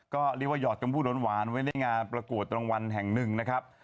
ก็เรียกว่าหยอดคำพูดหวานไว้ในงานประกวดรางวัลแห่งหนึ่งนะครับ